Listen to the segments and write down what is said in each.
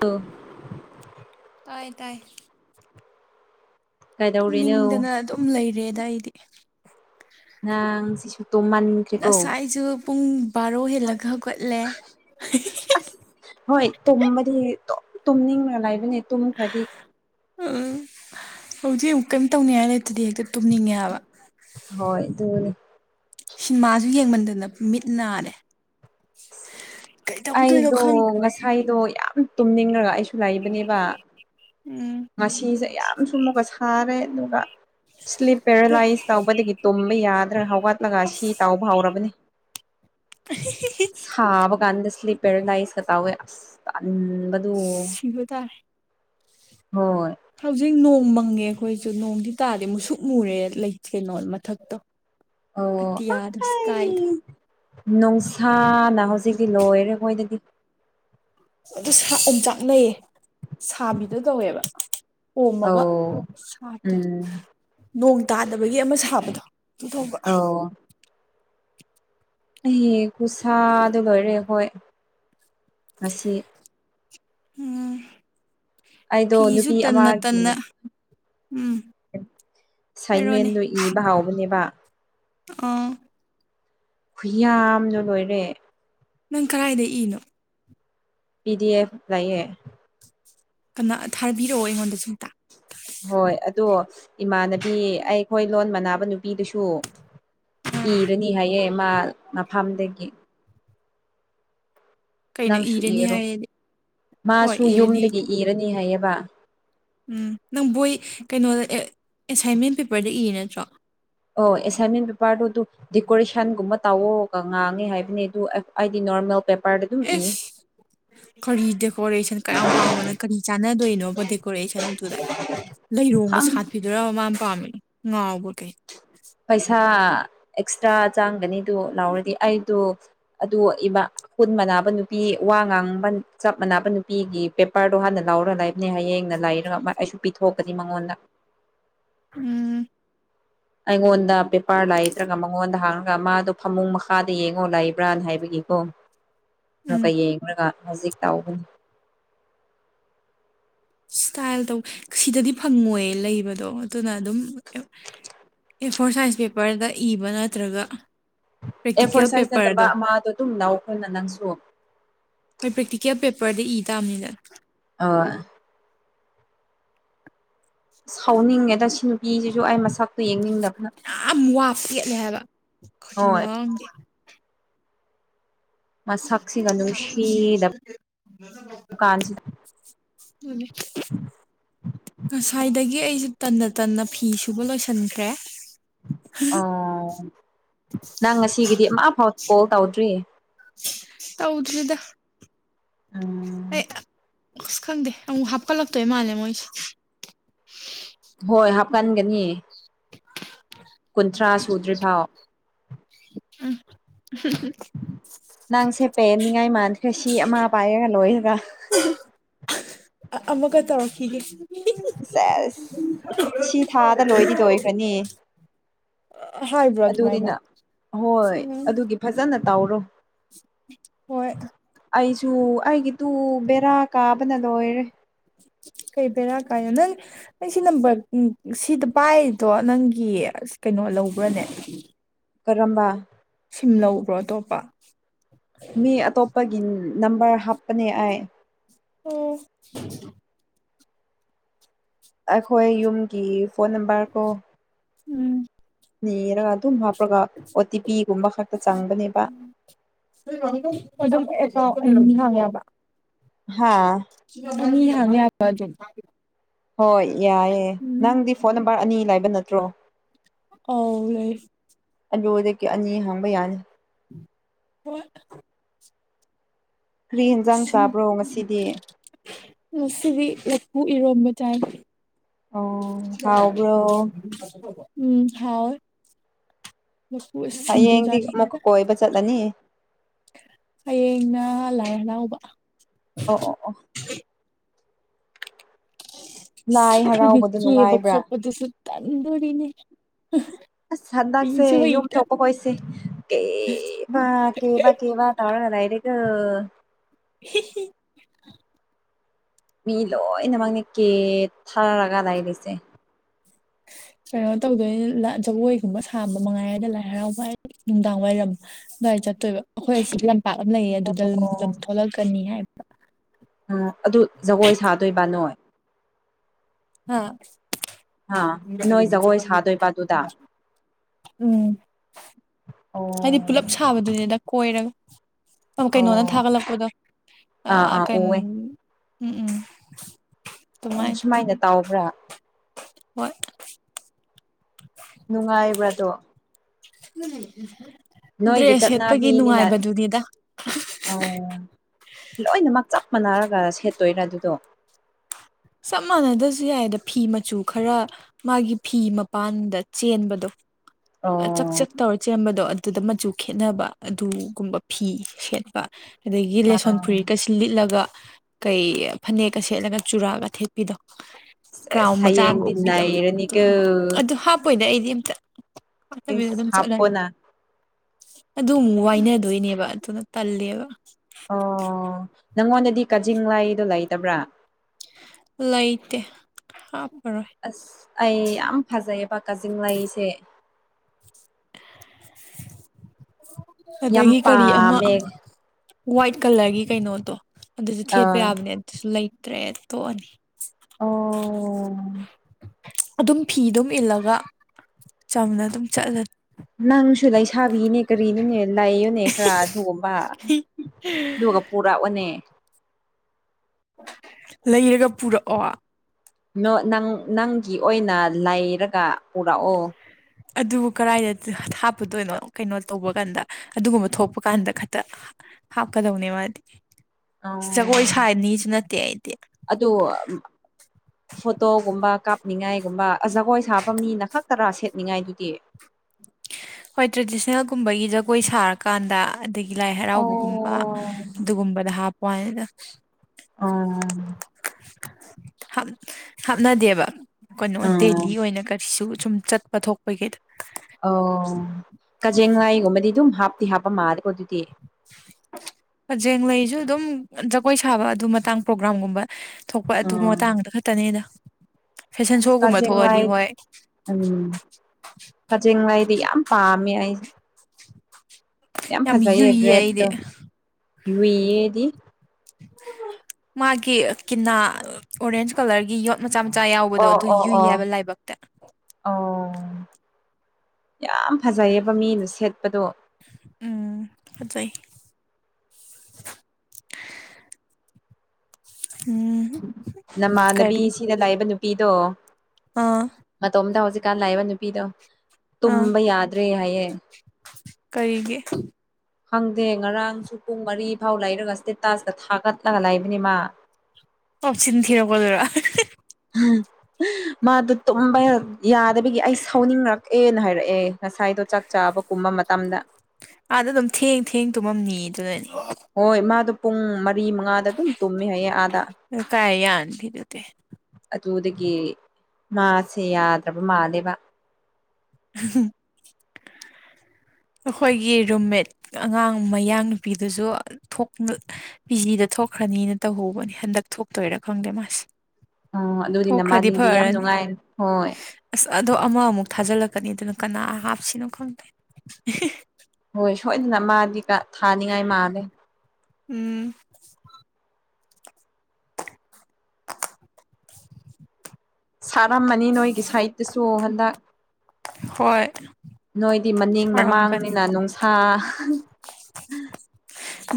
ꯇꯣ ꯇꯥꯏꯌꯦ ꯇꯥꯏꯌꯦ ꯀꯩꯗꯧꯔꯤꯅꯣ ꯗꯨꯝ ꯂꯩꯔꯦꯗ ꯑꯩꯗꯤ ꯅꯪꯁꯤꯁꯨ ꯇꯨꯝꯃꯟꯈ꯭ꯔꯦꯀꯣ ꯉꯁꯥꯏꯁꯨ ꯄꯨꯡ ꯕꯥꯔꯣ ꯍꯦꯜꯂꯒ ꯍꯧꯒꯠꯂꯦ꯫ [inaudible] ꯑꯁ ꯍꯣꯏ ꯇꯨꯝꯕꯗꯤ ꯗꯨꯝ ꯇꯨꯝꯅꯤꯡꯅ ꯂꯩꯕꯅꯦ ꯇꯨꯝꯈ꯭ꯔꯗꯤ꯫ ꯎꯝ ꯍꯧꯖꯤꯛ ꯑꯃꯨꯛ ꯀꯩꯝ ꯇꯧꯅꯤꯡꯉꯥꯏ ꯂꯩꯇ꯭ꯔꯗꯤ ꯍꯦꯛꯇ ꯇꯨꯝꯅꯤꯡꯉꯦ ꯍꯥꯏꯕ꯫ ꯍꯣꯏ ꯑꯗꯨꯅꯦ ꯁꯤꯟꯃꯥꯁꯨ ꯌꯦꯡꯃꯟꯗꯅ ꯃꯤꯠ ꯅꯥꯔꯦ꯫ ꯀꯩꯗꯧꯗꯣꯏꯅꯣ ꯈꯪꯗ꯭ꯔꯦ꯫ ꯗꯣ ꯌꯥꯝ ꯇꯨꯝꯅꯤꯡꯔꯒ ꯑꯩꯁꯨ ꯂꯩꯕꯅꯦꯕ꯫ ꯎꯝ ꯉꯥꯁꯤꯁꯦ ꯌꯥꯝ ꯁꯨꯝꯃꯒ ꯁꯥꯔꯦ ꯑꯗꯨꯒ ꯁ꯭ꯂꯤꯞ ꯑꯗ ꯄꯦꯔꯥꯂꯥꯏꯁ ꯇꯧꯕꯗꯒꯤ ꯇꯨꯝꯕ ꯌꯥꯗ꯭ꯔꯥ ꯍꯧꯒꯠꯂꯒ ꯁꯤ ꯇꯥꯎꯕ ꯍꯧꯔꯕꯅꯤ ꯁꯥꯕ ꯀꯥꯟꯗ ꯏꯁ꯭ꯂꯤꯞ ꯄꯦꯔꯂꯥꯏꯁ ꯀ ꯇꯧꯋꯦ ꯑꯁ ꯇꯟꯕꯗꯨ ꯏꯕ ꯇꯔꯦ ꯍꯣꯏ ꯍꯧꯖꯤꯛ ꯅꯣꯡ ꯃꯪꯉꯦ ꯑꯩꯈꯣꯏꯁꯨ ꯅꯣꯡꯗꯤ ꯇꯥꯗꯤ ꯃꯨꯁꯨꯛ ꯃꯨꯔꯦ ꯂꯩ ꯀꯩꯅꯣ ꯃꯊꯛꯇꯣ ꯑꯣ ꯑꯇꯤꯌꯥꯗꯣ ꯑꯩ ꯏꯁꯀꯥꯏꯗꯣ ꯅꯨꯡꯁꯥꯅ ꯍꯧꯖꯤꯛꯇꯤ ꯂꯣꯏꯔꯦ ꯑꯈꯣꯏꯗꯗꯤ ꯑꯗꯨ ꯁꯥ ꯑꯣꯝꯆꯥꯛꯅꯩꯌꯦ ꯁꯥꯕꯤꯗꯣ ꯇꯧꯋꯦꯕ ꯑꯣꯝꯃꯒ ꯑꯧ ꯁꯥꯇꯦ ꯎꯝ ꯅꯣꯡ ꯇꯥꯗꯕꯒꯤ ꯑꯃ ꯁꯥꯕꯗꯣ ꯇꯨ ꯊꯣꯡꯕ ꯑꯧ ꯑꯩꯌꯦ ꯈꯨꯁꯥꯗꯨꯒ ꯂꯣꯏꯔꯦ ꯍꯣꯏ ꯉꯁꯤ ꯎꯝ ꯑꯩꯗꯣ ꯐꯤꯁꯨ ꯅꯨꯄꯤ ꯇꯟꯅ ꯑꯃꯒꯤ ꯇꯟꯅ ꯑꯦ ꯎꯝ ꯍꯥꯏꯔꯣꯅꯦ ꯑꯦꯁꯥꯏꯟꯃꯦꯟꯗꯨ ꯏꯕ ꯍꯧꯕꯅꯦꯕ ꯑꯥ ꯈꯨꯌꯥꯝꯗꯣ ꯂꯣꯏꯔꯦ ꯅꯪ ꯀꯗꯥꯏꯗ ꯏꯅꯣ ꯄꯤ ꯗꯤ ꯑꯦꯐ ꯂꯩꯌꯦ ꯀꯅꯥ ꯊꯥꯕꯤꯔꯛꯑꯣ ꯑꯩꯉꯣꯟꯗꯁꯨ ꯑꯝꯇ ꯍꯣꯏ ꯑꯗꯣ ꯏꯃꯥꯟꯅꯕꯤ ꯑꯩꯈꯣꯏ ꯂꯣꯟ ꯃꯅꯥꯅꯕ ꯅꯨꯄꯤꯗꯨꯁꯨ ꯏꯔꯅꯤ ꯍꯥꯏꯌꯦ ꯃꯥ ꯃꯐꯝꯗꯒꯤ ꯀꯩꯅꯣ ꯅꯪꯁꯨ ꯏꯔꯅꯤ ꯏꯔꯣ ꯍꯥꯏꯔꯗꯤ ꯍꯣꯏ ꯃꯥꯁꯨ ꯏꯔꯅꯤ ꯌꯨꯝꯗꯒꯤ ꯑꯩꯗꯣ ꯏꯔꯅꯤ ꯍꯥꯏꯌꯦꯕ ꯎꯝ ꯅꯪ ꯕꯣꯏ ꯀꯩꯅꯣꯗ ꯑꯦ ꯑꯦꯁꯥꯏꯟꯃꯦꯟ ꯄꯦꯄꯔꯗ ꯏꯔꯤ ꯅꯠꯇ꯭ꯔꯣ ꯑꯣ ꯑꯦꯁꯥꯏꯟꯃꯦꯟ ꯄꯦꯄꯥꯔꯗꯨ ꯑꯗꯨ ꯗꯦꯀꯣꯔꯦꯁꯟꯒꯨꯝꯕ ꯇꯧꯑꯣꯒ ꯉꯥꯡꯉꯦ ꯍꯥꯏꯕꯅꯤ ꯑꯗꯨ ꯑꯩꯗꯤ ꯅꯣꯔꯃꯦꯜ ꯗꯨ ꯏꯌꯦ ꯑꯦꯁ ꯀꯔꯤ ꯗꯦꯀꯣꯔꯦꯁꯟ ꯀꯌꯥꯝ ꯄꯥꯝꯕꯅꯣ ꯀꯔꯤ ꯆꯥꯟꯅꯗꯣꯏꯅꯣꯕ ꯗꯦꯀꯣꯔꯦꯁꯟ ꯑꯗꯨꯗ ꯂꯩꯔꯣꯡꯒ ꯈꯪ ꯁꯥꯠꯄꯤꯗꯨꯔꯥ ꯃꯥꯅ ꯄꯥꯝꯃꯤꯗꯣ ꯉꯥꯎꯕ꯭ꯔꯥ ꯀꯩ ꯄꯩꯁꯥ ꯑꯦꯛꯁꯇ꯭ꯔꯥ ꯆꯥꯡꯒꯅꯤꯗꯣ ꯂꯥꯎꯔꯗꯤ ꯑꯩꯗꯣ ꯑꯗꯨ ꯏꯕ ꯀꯨꯟ ꯃꯅꯥꯕ ꯅꯨꯄꯤ ꯋꯥ ꯉꯥꯡꯕ ꯆꯞ ꯃꯥꯟꯅꯕ ꯅꯨꯄꯤꯒꯤ ꯄꯦꯄꯔꯗꯣ ꯍꯥꯟꯅ ꯂꯥꯎꯔ ꯂꯩ ꯅꯦ ꯍꯌꯦꯡꯅ ꯂꯩꯔꯒ ꯃꯥ ꯑꯩꯁꯨ ꯄꯤꯊꯣꯛꯀꯅꯤ ꯃꯉꯣꯟꯗ ꯎꯝ ꯑꯩꯉꯣꯟꯗ ꯄꯦꯄꯥꯔ ꯂꯥꯛꯇ꯭ꯔꯒ ꯃꯉꯣꯟꯗ ꯍꯪꯉꯒ ꯃꯥꯗꯣ ꯐꯃꯨꯡ ꯃꯈꯥꯗ ꯌꯦꯡꯉꯣ ꯂꯩꯏꯕ꯭ꯔꯅ ꯍꯥꯏꯕꯒꯤꯀꯣ [inaudible] ꯎꯝ ꯑꯃꯨꯛꯀ ꯌꯦꯡꯔꯒ ꯍꯧꯖꯤꯛ ꯇꯥꯎꯒꯅꯤ ꯏꯁꯇꯥꯏꯜ ꯇꯧ ꯁꯤꯗꯗꯤ ꯐꯪꯉꯣꯏ ꯂꯩꯕꯗꯣ ꯑꯗꯨꯅ ꯑꯗꯨꯝ ꯑꯦ ꯐꯣꯔ ꯁꯥꯏꯁ ꯄꯦꯄꯔꯗ ꯏꯕ ꯅꯠꯇ꯭ꯔꯒ ꯑꯦ ꯐꯣꯔ ꯄ꯭ꯔꯦꯛꯇꯤꯀꯦꯜ ꯁꯥꯏꯁ ꯅꯠꯇꯕ ꯄꯦꯄꯔꯗꯣ ꯑꯃꯗꯣ ꯑꯗꯨꯝ ꯂꯎꯈꯣꯏꯅ ꯅꯪꯁꯨ ꯃꯣꯏ ꯄ꯭ꯔꯦꯛꯇꯤꯀꯦꯜ ꯄꯦꯄꯔꯗ ꯏ ꯇꯥꯝꯅꯤꯅ ꯑꯥ ꯁꯥꯎꯅꯤꯡꯉꯦꯗ ꯁꯤ ꯅꯨꯄꯤꯖꯤꯖꯨ ꯑꯩ ꯃꯁꯛꯇꯣ ꯌꯦꯡꯅꯤꯡꯗꯕꯅ ꯌꯥꯝ ꯋꯥ ꯄꯦꯠꯂꯦ ꯍꯥꯏꯕ ꯀꯔꯤꯅꯣ ꯍꯣꯏ ꯈꯪꯗꯦ ꯃꯁꯛꯁꯤꯒ ꯅꯨꯡꯁꯤꯗꯕ [inaudible] ꯀꯥꯟꯁꯤꯗ ꯑꯗꯨꯅꯦ ꯉꯁꯥꯏꯗꯒꯤ ꯑꯩꯁꯦ ꯇꯟꯅ ꯇꯟꯅ ꯐꯤ ꯁꯨꯕ ꯂꯣꯏꯁꯤꯟꯈ꯭ꯔꯦ ꯑꯣ ꯅꯪ ꯉꯁꯤꯒꯤꯗꯤ ꯑꯃꯐꯥꯎ ꯀꯣꯜ ꯇꯧꯗ꯭ꯔꯤ ꯇꯧꯗ꯭ꯔꯤꯗ ꯎꯝ ꯑꯩ ꯑꯁ ꯈꯪꯗꯦ ꯑꯃꯨꯛ ꯍꯥꯞꯀꯠꯂꯛꯇꯣꯏ ꯃꯥꯜꯂꯦ ꯃꯣꯏꯁꯦ ꯍꯣꯏ ꯍꯥꯞꯀꯟꯒꯅꯤ [inaudible] ꯀꯨꯟꯊ꯭ꯔꯥ ꯁꯨꯗ꯭ꯔꯤꯐꯥꯎ ꯎꯝ ꯅꯪ ꯁꯦꯄꯦꯟꯅꯤꯡꯉꯥꯏ ꯃꯥꯟꯈ꯭ꯔꯦ ꯁꯤ ꯑꯃ ꯄꯥꯏꯔꯒ ꯂꯣꯏꯔꯒ ꯑꯃꯨꯀ ꯇꯧꯔꯛꯈꯤꯒꯦ ꯁꯦꯁ ꯁꯤ ꯊꯥꯗ ꯂꯣꯏꯗꯤ ꯂꯣꯏꯈꯔꯅꯤ ꯍꯥꯏꯕ꯭ꯔꯣ ꯑꯗꯨꯃꯥꯏꯅ ꯑꯗꯨꯅꯤꯅ ꯍꯣꯏ ꯎꯝ ꯑꯗꯨꯒꯤ ꯐꯖꯅ ꯇꯧꯔꯣ ꯍꯣꯏ ꯑꯩꯁꯨ ꯑꯩꯒꯤꯗꯨ ꯕꯦꯔꯥ ꯀꯥꯕꯅ ꯂꯣꯏꯔꯦ ꯀꯩ ꯕꯦꯔꯥ ꯀꯥꯏꯅꯣ ꯅꯪ ꯑꯩ ꯁꯤ ꯅꯝꯕꯔ ꯁꯤꯗ ꯄꯥꯏꯗꯣ ꯅꯪꯒꯤ ꯑꯁ ꯀꯩꯅꯣ ꯂꯧꯕ꯭ꯔꯅꯦ ꯀꯔꯝꯕ ꯁꯤꯝ ꯂꯧꯕ꯭ꯔꯣ ꯑꯇꯣꯞꯄ ꯃꯤ ꯑꯇꯣꯞꯄꯒꯤ ꯅꯝꯕꯔ ꯍꯥꯞꯄꯅꯦ ꯑꯩ ꯑꯣ ꯑꯩꯈꯣꯏ ꯌꯨꯝꯒꯤ ꯐꯣꯟ ꯅꯝꯕꯔꯀꯣ ꯎꯝ ꯅꯤꯔꯒ ꯑꯗꯨꯝ ꯍꯥꯞꯄꯒ ꯑꯣ ꯇꯤ ꯄꯤꯒꯨꯝꯕ ꯈꯛꯇ ꯆꯪꯕꯅꯦꯕ [inaudible] ꯑꯗꯨꯝ ꯑꯦꯀꯥꯎꯟꯠ ꯑꯅꯤ ꯍꯥꯡ ꯌꯥꯕ ꯍꯥꯥ [inaudible] ꯑꯅꯤ ꯍꯥꯡꯕ ꯌꯥꯕ꯭ꯔ ꯑꯗꯨꯝ ꯍꯣꯏ ꯌꯥꯏꯌꯦ ꯅꯪꯗꯤ ꯐꯣꯟ ꯅꯝꯕꯔ ꯑꯅꯤ ꯂꯩꯕ ꯅꯠꯇ꯭ꯔꯣ ꯑꯧ ꯂꯩ ꯑꯗꯨꯑꯣꯏꯔꯀꯤ ꯑꯅꯤ ꯍꯥꯡꯕ ꯌꯥꯅꯤ ꯍꯣꯏ ꯀ꯭ꯔꯤ ꯍꯤꯡꯖꯥꯡ ꯆꯥꯕ꯭ꯔꯣ ꯉꯁꯤꯗꯤ ꯉꯁꯤꯗꯤ ꯂꯐꯨ ꯏꯔꯣꯝꯕ ꯆꯥꯏ ꯑꯣ ꯍꯥꯎꯕ꯭ꯔꯣ ꯎꯝ ꯍꯥꯎꯋꯦ ꯂꯐꯨ ꯁꯤꯡꯖꯨ ꯍꯌꯦꯡꯗꯤ ꯑꯃꯨꯛꯀ ꯆꯥꯅꯤꯡꯉꯦꯗ ꯀꯣꯏꯕ ꯆꯠꯂꯅꯤ ꯍꯌꯦꯡꯅ ꯂꯥꯏ ꯍꯔꯥꯎꯕ ꯑꯣ ꯑꯣ ꯑꯣ ꯑꯁ ꯂꯥꯏ ꯑꯗꯨꯒꯤ ꯍꯔꯥꯎꯕꯗꯨ ꯀꯦꯕ ꯅꯨꯡꯉꯥꯏꯕ꯭ꯔꯥ ꯈꯣꯠꯄꯗꯨꯁꯨ ꯇꯟꯗꯣꯔꯤꯅꯦ ꯑꯁ ꯍꯟꯗꯛꯁꯦ ꯑꯩꯁꯨ ꯌꯨꯝ ꯍꯩꯇꯕꯤ ꯊꯣꯛꯄ ꯈꯣꯏꯁꯦ ꯀꯦꯕ ꯀꯦꯕ ꯀꯦꯕ ꯀꯦꯕ ꯇꯧꯔꯒ ꯂꯩꯔꯦꯀꯣ ꯍꯤꯍꯤ ꯃꯤ ꯂꯣꯏꯅꯃꯛꯅꯦ ꯀꯦ ꯊꯔꯒ ꯂꯩꯔꯤꯁꯦ ꯀꯩꯅꯣ ꯇꯧꯗꯣꯏꯅꯤ ꯖꯒꯣꯏꯒꯨꯝꯕ ꯁꯥꯕ ꯃꯉꯥꯏꯔꯦꯗ ꯂꯥꯏ ꯍꯔꯥꯎꯕ ꯍꯥꯏꯗꯤ ꯅꯨꯡꯗꯥꯡ ꯋꯥꯏꯔꯝ ꯑꯗꯨꯋꯥꯏ ꯆꯠꯇꯣꯏꯕ ꯑꯩꯈꯣꯏ ꯑꯁꯤ ꯂꯝꯄꯥꯛ ꯑꯃ ꯂꯩꯌꯦ ꯑꯗꯨꯗ ꯂꯝ ꯊꯣꯛꯂꯛꯀꯅꯤ ꯍꯥꯏꯕ ꯑꯣ ꯑꯗꯨ ꯖꯒꯣꯏ ꯁꯥꯗꯣꯏꯕ ꯅꯣꯏ ꯍꯥ ꯍꯥ ꯅꯣꯏ ꯖꯒꯣꯏ ꯁꯥꯗꯣꯏꯕ ꯑꯗꯨꯗ ꯎꯝ ꯑꯣ ꯍꯥꯏꯗꯤ ꯄꯨꯂꯞ ꯁꯥꯕꯗꯨꯅꯦꯗ ꯀꯣꯏꯔꯒ ꯀꯩꯅꯣꯅ ꯑꯣ ꯊꯥꯒꯠꯂꯛꯄꯗꯣ ꯑ ꯑꯥ ꯑꯥ ꯀꯩꯅ ꯎꯋꯦ ꯎꯝ ꯎꯝ ꯑꯣ ꯑꯗꯨꯃꯥꯏꯅ ꯁꯨꯃꯥꯏꯅ ꯇꯧꯕ꯭ꯔꯥ ꯍꯣꯏ ꯅꯨꯡꯉꯥꯏꯕ꯭ꯔꯥ ꯑꯗꯣ ꯅꯣꯏꯒꯤ ꯗ꯭ꯔꯦꯁ ꯁꯦꯠꯄꯒꯤ ꯅꯨꯡꯉꯥꯏꯕꯗꯨꯅꯤꯗ꯫ ꯑꯣ ꯂꯣꯏꯅꯃꯛ ꯆꯞ ꯃꯥꯟꯅꯔꯒ ꯁꯦꯠꯇꯣꯏꯔꯥ ꯑꯗꯨꯗꯣ? ꯆꯞ ꯃꯥꯟꯅꯗꯁꯨ ꯌꯥꯏꯗ ꯐꯤ ꯃꯆꯨ ꯈꯔ ꯃꯥꯒꯤ ꯐꯤ ꯃꯄꯥꯟꯗ ꯆꯦꯟꯕꯗꯣ꯫ ꯑꯣ꯫ ꯆꯛ-ꯆꯛ ꯇꯧꯔ ꯆꯦꯟꯕꯗꯣ ꯑꯗꯨꯗ ꯃꯆꯨ ꯈꯦꯠꯅꯕ ꯑꯗꯨꯒꯨꯝꯕ ꯐꯤ ꯁꯦꯠꯄ, ꯑꯗꯒꯤ ꯂꯦꯁꯣꯟ ꯑꯥ ꯐꯨꯔꯤꯠꯀꯁꯦ ꯂꯤꯠꯂꯒ ꯀꯩ ꯐꯅꯦꯛꯀ ꯁꯦꯠꯂꯒ ꯆꯨꯔꯥꯒ ꯊꯦꯠꯄꯤꯗꯣ ꯀ꯭ꯔꯥꯎꯟ ꯑꯁ ꯃꯆꯥꯒ ꯍꯌꯦꯡꯗꯤ ꯎꯞꯄꯤꯗꯣ ꯑꯗꯨ ꯅꯩꯔꯅꯤꯀꯣ ꯑꯗꯨ ꯍꯥꯞ ꯄꯣꯏꯗ ꯑꯩꯗꯤ ꯑꯃꯇ ꯍꯥꯞꯇꯕꯤꯗ ꯏꯁ ꯑꯗꯨꯝ ꯆꯠꯂꯅꯤ꯫ ꯍꯥꯞꯄꯣꯅ ꯑꯗꯨꯃꯨꯛ ꯋꯥꯏꯅꯗꯣꯏꯅꯦꯕ ꯑꯗꯨꯅ ꯇꯜꯂꯦꯕ꯫ ꯑꯣ ꯅꯪꯉꯣꯟꯗꯗꯤ ꯀꯖꯤꯡ ꯂꯥꯏꯗꯣ ꯂꯩꯇꯕ꯭ꯔꯥ? ꯂꯩꯇꯦ ꯍꯥꯞꯄꯔꯣꯏ꯫ ꯑꯁ ꯑꯩ ꯌꯥꯝ ꯐꯖꯩꯑꯦꯕ ꯀꯥꯖꯤꯡꯂꯩꯁꯦ꯫ ꯌꯥꯝ ꯑꯗꯒꯤ ꯀꯔꯤ ꯑꯃ ꯄꯥꯝꯃꯦ ꯋꯥꯏꯠ ꯀꯂꯔꯒꯤ ꯀꯩꯅꯣꯗꯣ ꯑꯗꯨꯁꯨ ꯊꯦꯠꯄ ꯑꯥ ꯌꯥꯕꯅꯦ ꯑꯗꯨꯁꯨ ꯂꯩꯇ꯭ꯔꯦ ꯇꯣꯛꯑꯅꯤ꯫ ꯑꯣ꯫ ꯑꯗꯨꯝ ꯐꯤ ꯑꯗꯨꯝ ꯏꯜꯂꯒ ꯆꯝꯅ ꯑꯗꯨꯝ ꯆꯠꯂꯅꯤ꯫ ꯅꯪꯁꯨ ꯂꯩꯁꯥꯕꯤꯅꯦ ꯀꯔꯤꯅꯣꯅꯦ ꯂꯩꯌꯨꯅꯦ ꯈꯔ ꯑꯗꯨꯒꯨꯝꯕ ꯑꯗꯨꯒ ꯄꯨꯔꯛꯑꯣꯅꯦ꯫ ꯂꯩꯔꯒ ꯄꯨꯔꯛꯑꯣ꯫ ꯅꯣ ꯅꯪꯒꯤ ꯑꯣꯏꯅ ꯂꯩꯔꯒ ꯄꯨꯔꯛꯑꯣ꯫ ꯑꯗꯨꯕꯨ ꯀꯔꯥꯏꯗ ꯍꯥꯞꯄꯨꯗꯣꯏꯅꯣ ꯀꯩꯅꯣ ꯇꯧꯕ ꯀꯥꯟꯗ ꯑꯗꯨꯒꯨꯝꯕ ꯊꯣꯛꯄ ꯀꯥꯟꯗ ꯈꯛꯇ ꯍꯥꯞꯀꯗꯧꯅꯦ ꯃꯥꯗꯤ ꯑ ꯖꯒꯣꯏ ꯁꯥꯅꯤꯁꯨ ꯅꯠꯇꯦ ꯑꯩꯗꯤ꯫ ꯑꯗꯨ ꯑꯥ ꯐꯣꯇꯣꯒꯨꯝꯕ ꯀꯥꯞꯅꯤꯡꯉꯥꯏꯒꯨꯝꯕ ꯖꯒꯣꯏ ꯁꯥꯕ ꯃꯤꯅ ꯈꯛꯇꯔꯥ ꯁꯦꯠꯅꯤꯡꯉꯥꯏꯗꯨꯗꯤ? ꯍꯣꯏ ꯇ꯭ꯔꯦꯗꯤꯁꯅꯦꯜꯒꯨꯝꯕꯒꯤ ꯖꯒꯣꯏ ꯁꯥꯔꯀꯥꯟꯗ ꯑꯗꯒꯤ ꯂꯥꯏ ꯍꯔꯥꯎꯕꯒꯨꯝꯕ ꯑꯥ ꯑꯗꯨꯒꯨꯝꯕꯗ ꯍꯥꯞꯄꯋꯥꯅꯤꯗ꯫ ꯑꯥ ꯍꯥꯞ ꯍꯥꯞꯅꯗꯦꯕ꯫ ꯀꯩꯅꯣ ꯗꯦꯂꯤ ꯑꯣꯏꯅ ꯀꯔꯤꯁꯨ ꯁꯨꯝ ꯆꯠꯄ ꯊꯣꯛꯄꯒꯤꯗꯣ꯫ ꯑꯧ ꯀꯖꯦꯡ ꯂꯩꯒꯨꯝꯕꯗꯤ ꯑꯗꯨꯝ ꯍꯥꯞꯇꯤ ꯍꯥꯞꯄ ꯃꯥꯂꯦꯀꯣ ꯑꯗꯨꯗꯤ꯫ ꯀꯖꯦꯡ ꯂꯩꯁꯨ ꯑꯗꯨꯝ ꯖꯒꯣꯏ ꯁꯥꯕ ꯑꯗꯨ ꯃꯇꯥꯡ ꯄ꯭ꯔꯣꯒ꯭ꯔꯥꯝꯒꯨꯝꯕ ꯊꯣꯛꯄ ꯑꯗꯨ ꯎꯝ ꯃꯇꯥꯡꯗ ꯈꯛꯇꯅꯤꯗ, ꯐꯦꯁꯟ ꯁꯣꯒꯨꯝꯕ ꯊꯣꯛꯑꯗꯤ ꯍꯣꯏ꯫ ꯑꯗꯨꯅꯤ ꯀꯖꯦꯡ ꯂꯩꯗꯤ ꯌꯥꯝ ꯄꯥꯝꯃꯦ ꯑꯩ꯫ ꯌꯥꯝ ꯐꯖꯩꯌꯦ ꯌꯨꯏꯌꯦ ꯔ꯭ꯔꯦꯠꯇꯣ ꯑꯩꯗꯤ ꯌꯨꯏꯌꯦꯗꯤ꯫ ꯃꯥꯒꯤ ꯀꯅꯥ ꯑꯣꯔꯦꯟꯖ ꯀꯂꯔꯒꯤ ꯌꯣꯠ ꯃꯆꯥ ꯃꯆꯥ ꯌꯥꯎꯕꯗꯣ ꯑꯣ ꯑꯗꯨ ꯑꯣ ꯌꯨꯏ ꯑꯣ ꯍꯥꯏꯕ ꯂꯥꯏꯕꯛꯇ꯫ ꯑꯣ ꯌꯥꯝ ꯐꯖꯩꯌꯦꯕ ꯃꯤꯅ ꯁꯦꯠꯄꯗꯣ꯫ ꯎꯝ ꯐꯖꯩ꯫ ꯎꯝ ꯅꯃꯥꯟꯅꯕꯤ ꯀꯔꯤ ꯁꯤꯗ ꯂꯩꯕ ꯅꯨꯄꯤꯗꯣ꯫ ꯑꯥ ꯃꯇꯣꯝꯇ ꯍꯧꯖꯤꯛꯀꯥꯟ ꯂꯩꯕ ꯅꯨꯄꯤꯗꯣ꯫ ꯑ ꯇꯨꯝꯕ ꯌꯥꯗ꯭ꯔꯦ ꯍꯥꯏꯌꯦ ꯀꯔꯤꯒꯤ? ꯈꯪꯗꯦ ꯉꯔꯥꯡꯁꯨ ꯄꯨꯡ ꯃꯔꯤ ꯐꯥꯎ ꯂꯩꯔꯒ ꯏꯁꯇꯦꯇꯥꯁꯀ ꯊꯥꯒꯠꯂꯒ ꯂꯩꯕꯅꯦ ꯃꯥ꯫ ꯃꯆꯤꯟ ꯊꯔꯀꯣꯗꯨꯔꯥ ꯑꯍꯤꯍꯤ꯫ ꯃꯥꯗꯨ ꯇꯨꯝꯕ ꯌꯥꯗꯕꯒꯤ ꯑꯩ ꯁꯥꯎꯅꯤꯡꯛ ꯑꯦꯅ ꯍꯥꯏꯔꯛꯑꯦ ꯉꯁꯥꯏꯗꯣ ꯆꯥꯛ ꯆꯥꯕ ꯀꯨꯝꯕ ꯃꯇꯝꯗ꯫ ꯑꯥꯗ ꯑꯗꯨꯝ ꯊꯦꯡ ꯊꯦꯡ ꯇꯨꯝꯃꯝꯅꯤ ꯑꯗꯨꯅꯅꯦ ꯍꯣꯏ ꯃꯥꯗꯣ ꯄꯨꯡ ꯃꯔꯤ ꯃꯉꯥꯗ ꯑꯗꯨꯝ ꯇꯨꯝꯃꯦ ꯍꯥꯏꯌꯦ ꯑꯥꯗ ꯀꯥꯏ ꯌꯥꯅꯤꯗꯨꯗꯤ ꯑꯗꯨꯗꯒꯤ ꯃꯥꯁꯦ ꯌꯥꯗ꯭ꯔꯕ ꯃꯥꯜꯂꯦꯕ [inaudible] ꯑꯩꯈꯣꯏꯒꯤ ꯔꯨꯝꯃꯦꯠ ꯑꯉꯥꯡ ꯃꯌꯥꯡ ꯅꯨꯄꯤꯗꯨꯁꯨ ꯊꯣꯛ ꯄꯤꯖꯤꯗ ꯊꯣꯛꯈ꯭ꯔꯅꯤꯅ ꯇꯧꯍꯧꯕꯅꯤ ꯍꯟꯗꯛ ꯊꯣꯛꯇꯣꯏꯔꯥ ꯈꯪꯗꯦ ꯃꯥꯁꯦ ꯎ ꯑꯗꯨꯗꯤ ꯊꯣꯛꯈ꯭ꯔꯗꯤ ꯅꯃꯥꯅꯤꯗꯤ ꯌꯥꯝ ꯐꯔꯅꯤ ꯅꯨꯡꯉꯥꯏ ꯍꯣꯏ ꯑꯁ ꯑꯗꯣ ꯑꯃꯃꯨꯛ ꯊꯥꯖꯤꯜꯂꯛꯀꯅꯤꯗꯅ ꯑꯗꯨꯅ ꯀꯅꯥ ꯍꯥꯞꯁꯤꯅꯣ ꯈꯪꯗꯦ ꯍꯣꯏ ꯁꯣꯏꯗꯅ ꯃꯥꯗꯤ ꯀꯥ ꯊꯥꯅꯤꯡꯉꯥꯏ ꯃꯥꯜꯂꯦ ꯎꯝ ꯁꯥꯔꯝꯃꯅꯤ ꯅꯣꯏꯒꯤ ꯁꯥꯏꯗꯠꯇꯁꯨ ꯍꯟꯗꯛ ꯍꯣꯏ ꯅꯣꯏꯗꯤ ꯃꯅꯤꯡ ꯁꯥꯔꯝꯒꯅꯤ ꯃꯃꯥꯡꯅꯤꯅ ꯅꯨꯡꯁꯥ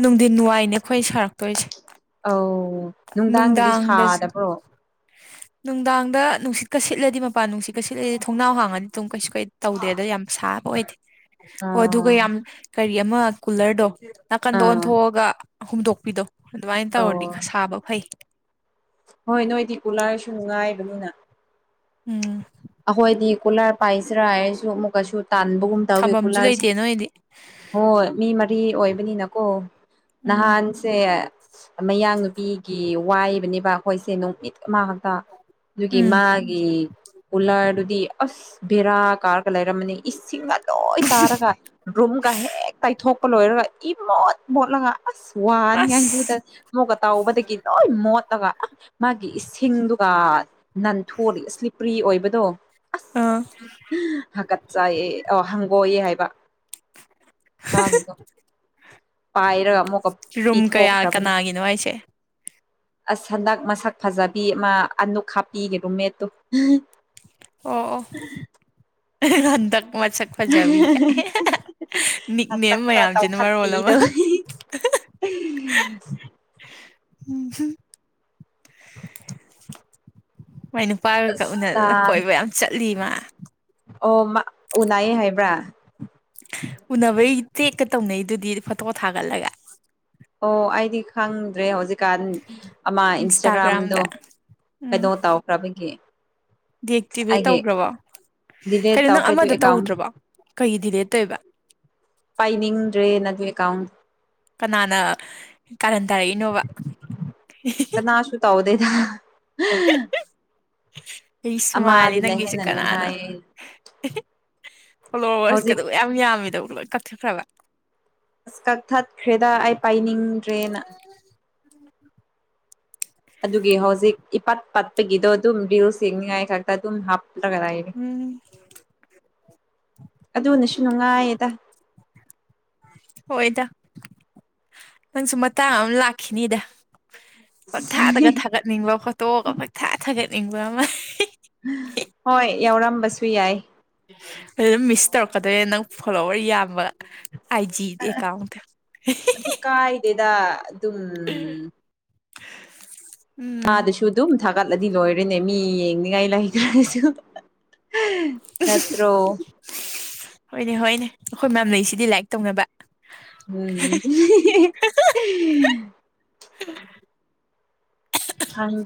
ꯅꯨꯡꯊꯤꯟ ꯋꯥꯏꯅꯦ ꯑꯩꯈꯣꯏ ꯁꯥꯔꯛꯇꯣꯏꯁꯦ ꯑꯧ ꯅꯨꯡꯗꯥꯡꯗꯗꯤ ꯅꯨꯡꯗꯥꯡꯗꯁꯨ ꯁꯥꯗꯕ꯭ꯔꯣ ꯅꯨꯡꯗꯥꯡꯗ ꯅꯨꯡꯁꯤꯠꯀ ꯁꯤꯠꯂꯗꯤ ꯃꯄꯥꯟ ꯅꯨꯡꯁꯤꯠꯀ ꯁꯤꯠꯂꯗꯤ ꯊꯣꯡꯅꯥꯎ ꯍꯥꯡꯉꯗꯤ ꯑꯗꯨꯝ ꯀꯩꯁꯨ ꯀꯩ ꯇꯧꯗꯦ ꯑꯗꯥꯏ ꯌꯥꯝ ꯁꯥꯕ ꯑꯣꯏꯗꯦ ꯑꯣ ꯑꯗꯨꯒ ꯑꯥ ꯌꯥꯝ ꯀꯔꯤ ꯑꯃ ꯀꯨꯂꯔꯗꯣ ꯅꯥꯀꯟꯗ ꯑꯥ ꯑꯣꯟꯊꯣꯛꯑꯒ ꯍꯨꯝꯗꯣꯛꯄꯤꯗꯣ ꯑꯗꯨꯃꯥꯏꯅ ꯑꯧ ꯇꯧꯔꯗꯤ ꯈ ꯁꯥꯕ ꯐꯩ ꯍꯣꯏ ꯅꯣꯏꯗꯤ ꯀꯨꯂꯔꯁꯨ ꯅꯨꯡꯉꯥꯏꯕꯅꯤꯅ ꯎꯝ ꯑꯩꯈꯣꯏꯗꯤ ꯀꯨꯂꯔ ꯄꯥꯏꯁꯤ꯭ꯔꯥ ꯍꯥꯏꯔꯁꯨ ꯑꯃꯨꯛꯀꯁꯨ ꯇꯥꯟꯕꯒꯨꯝ ꯇꯧꯋꯦ ꯊꯝꯐꯝꯁꯨ ꯀꯨꯂꯔꯁꯦ ꯂꯩꯇꯦ ꯅꯣꯏꯗꯤ ꯍꯣꯏ ꯃꯤ ꯃꯔꯤ ꯑꯣꯏꯕꯅꯤꯅꯀꯣ ꯎꯝ ꯅꯍꯥꯟ ꯁꯦ ꯃꯌꯥꯡ ꯅꯨꯨꯄꯤꯒꯤ ꯋꯥꯏꯕꯅꯦꯕ ꯑꯩꯈꯣꯏꯁꯦ ꯅꯨꯣꯡꯃꯤꯠ ꯃꯥ ꯉꯥꯛꯇ ꯑꯗꯨꯒꯤ ꯎꯝ ꯃꯥꯒꯤ ꯀꯨꯂꯔꯗꯨꯗꯤ ꯑꯁ ꯕꯦꯔꯥ ꯀꯥꯔꯒ ꯂꯩꯔꯝꯃꯅꯤ ꯏꯁꯤꯡꯅ ꯂꯣꯏ ꯇꯥꯔꯒ ꯔꯨꯝꯒ ꯍꯦꯛ ꯇꯩꯊꯣꯛꯄ ꯂꯣꯏꯔꯒ ꯏ ꯃꯣꯠ ꯃꯣꯠꯂꯒ ꯑꯁ ꯋꯥꯅꯤ ꯍꯥꯏꯗꯨꯗ ꯑꯁ ꯃꯣꯛꯀ ꯇꯥꯎꯕꯗꯒꯤ ꯂꯣꯏ ꯃꯣꯠꯂꯒ ꯃꯥꯒꯤ ꯏꯁꯤꯡꯗꯨꯒ ꯅꯅꯥꯟꯊꯣꯔꯔꯤ ꯄ꯭ꯔꯤ ꯑꯣꯏꯕꯗꯣ ꯑꯥ ꯑꯁ ꯍꯥꯀꯠ ꯆꯥꯏꯌꯦ ꯑ ꯍꯪꯒꯣꯛꯌꯦ ꯍꯥꯏꯕ ꯃꯥꯒꯤꯗꯣ ꯄꯥꯏꯔꯒ ꯑꯃꯨꯛꯀ ꯔꯨꯝ ꯀꯌꯥ ꯄꯤꯊꯣꯛꯈ꯭ꯔꯕꯅꯤ ꯀꯅꯥꯒꯤꯅꯣ ꯍꯥꯏꯁꯦ ꯑꯁ ꯍꯟꯗꯛ ꯃꯁꯛ ꯐꯖꯕꯤ ꯑꯃ ꯑꯅꯨꯛ ꯍꯥꯞꯄꯤꯒꯤ ꯔꯨꯝꯃꯦꯠꯇꯣ ꯑꯣ ꯑꯣ ꯍꯟꯗꯛ ꯃꯁꯛ ꯐꯖꯕꯤ ꯀꯥꯏ ꯅꯤꯛꯅꯦꯝ ꯍꯟꯗꯛ ꯈꯔ ꯇꯧ ꯃꯌꯥꯝꯁꯤꯅ ꯃꯔꯣꯜ ꯑꯃ ꯈꯠꯄꯤꯗꯣ [unintelligible] [unintelligible] ꯃꯣꯏ ꯅꯨꯄꯥꯒꯒ ꯑꯁ ꯎꯅꯗꯅ ꯅꯍꯥꯟ ꯀꯣꯏꯕ ꯌꯥꯝ ꯆꯠꯂꯤ ꯃꯥ ꯑꯣ ꯃ ꯎꯅꯌꯦ ꯍꯥꯏꯕ꯭ꯔꯥ ꯎꯅꯕꯩ ꯇꯦꯛꯀ ꯇꯧꯅꯩꯗꯨꯗꯤ ꯐꯣꯇꯣ ꯊꯥꯒꯠꯂꯒ ꯑꯣ ꯑꯩꯗꯤ ꯈꯪꯗ꯭ꯔꯦ ꯍꯧꯖꯤꯛꯀꯥꯟ ꯑꯃ ꯏꯟꯁꯇꯥꯒ꯭ꯔꯥꯝꯗꯣ ꯏꯟꯁꯇꯥꯒ꯭ꯔꯥꯝꯗ ꯀꯩꯅꯣ ꯇꯥꯎꯈ꯭ꯔꯕꯒꯤ ꯗꯤꯑꯛꯇꯤꯚꯦꯠ ꯇꯧꯈ꯭ꯔꯕꯣ ꯗꯤꯂꯦꯠ ꯀꯩꯅꯣ ꯅꯪ ꯇꯧꯈ꯭ꯔꯦ ꯑꯗꯨ ꯑꯃꯗ ꯑꯦꯀꯥꯎꯟ ꯇꯧꯗ꯭ꯔꯕꯣ ꯀꯩꯒꯤ ꯗꯤꯂꯦꯠ ꯇꯧꯏꯕ ꯄꯥꯏꯅꯤꯡꯗ꯭ꯔꯦꯅ ꯅꯗꯨꯏ ꯑꯦꯀꯥꯎꯟ ꯀꯅꯥꯅ ꯀꯥꯔꯟ ꯇꯔꯛꯏꯅꯣꯕ ꯀꯅꯥꯁꯨ ꯇꯧꯗꯦꯗꯤꯗ ꯑꯩ ꯁꯨ ꯃꯥꯥꯜꯂꯦ ꯅꯪꯒꯤꯁꯦ ꯍꯦꯟꯅ ꯀꯅꯥꯅꯣ ꯅꯨꯡꯉꯥꯏꯌꯦ ꯍꯧꯖꯤꯛ ꯐꯣꯂꯣꯋꯔꯁꯀꯗꯣ ꯃꯌꯥꯝ ꯌꯥꯝꯃꯤꯗꯣ ꯂꯣꯏ ꯀꯛꯊꯈ꯭ꯔꯕ ꯑꯁ ꯀꯛꯊꯠꯈ꯭ꯔꯦꯗ ꯑꯩ ꯄꯥꯏꯅꯤꯡꯗ꯭ꯔꯦꯅ [unintelligible] ꯑꯗꯨꯒꯤ ꯍꯧꯖꯤꯛ ꯏꯄꯥꯠ ꯄꯥꯠꯄꯒꯤꯗꯣ ꯑꯗꯨꯝ ꯔꯤꯜꯁ ꯌꯦꯡꯅꯤꯡꯉꯥꯏ ꯈꯛꯇ ꯑꯗꯨꯝ ꯍꯥꯞꯂꯒ ꯂꯩ ꯎꯝ ꯑꯗꯨꯅꯁꯨ ꯅꯨꯡꯉꯥꯏꯌꯦꯗ ꯍꯣꯏꯗ ꯅꯪꯁꯨ ꯃꯇꯥꯡ ꯑꯃ ꯂꯥꯛꯈꯤꯅꯤꯗ ꯄꯪꯊꯥꯗꯒ ꯊꯥꯒꯠꯅꯤꯡꯕ ꯐꯣꯇꯣꯒ ꯄꯪꯊꯥ ꯊꯥꯒꯠꯅꯤꯡꯕ ꯑꯃ ꯍꯣꯏ ꯌꯥꯎꯔꯝꯕꯁꯨ ꯌꯥꯏ ꯑꯗꯨꯝ ꯃꯤꯁ ꯇꯧꯔꯛꯀꯗꯣꯏꯔꯅꯦ ꯅꯪ ꯐꯣꯂꯣꯋꯔ ꯌꯥꯝꯕ ꯑꯥꯏꯖꯤꯗ ꯑꯦꯀꯥꯎꯗꯣ ꯑꯗꯨ ꯀꯥꯏꯗꯦꯗ ꯑꯗꯨꯝ [unintelligible] ꯑꯥꯗꯁꯨ ꯑꯗꯨꯝ ꯊꯥꯒꯠꯂꯗꯤ ꯂꯣꯏꯔꯦꯅꯦ ꯃꯤ ꯌꯦꯡꯅꯤꯡꯉꯥꯏ ꯂꯩꯇ꯭ꯔꯁꯨ ꯅꯠꯇ꯭ꯔꯣ ꯍꯣꯏꯅꯦ ꯍꯣꯏꯅꯦ ꯑꯩꯈꯣꯏ ꯃꯌꯥꯝ ꯂꯩꯁꯤꯗꯤ ꯂꯥꯏꯛ ꯇꯧꯅꯕ ꯎꯝ ꯈꯪꯗꯔꯦ